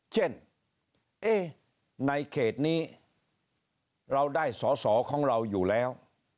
เช่นในเขตนี้เราได้สอสอของเราอยู่แล้ว